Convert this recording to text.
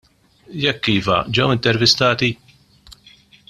Jekk iva, ġew intervistati?